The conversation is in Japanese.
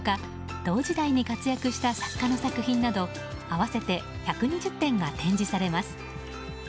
同時代に活躍した作家の作品など合わせて１２０点が展示されます。